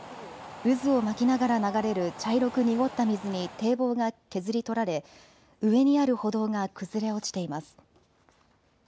渦を巻きながら流れる茶色く濁った水に堤防が削り取られ上にある歩道が崩れ落ちています。